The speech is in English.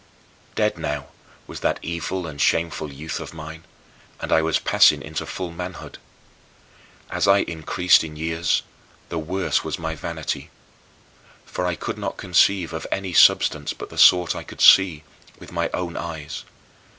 Dead now was that evil and shameful youth of mine, and I was passing into full manhood. As I increased in years, the worse was my vanity. For I could not conceive of any substance but the sort I could see with my own eyes.